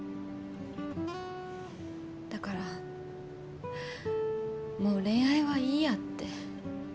だからもう恋愛はいいやって。